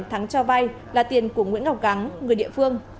thắng cho vay là tiền của nguyễn ngọc thắng người địa phương